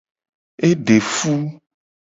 E de fu.